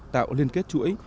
tạo liên kết chuỗi